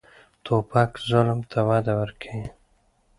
توپک ظلم ته وده ورکوي.